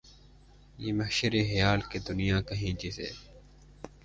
یہ محشرِ خیال کہ دنیا کہیں جسے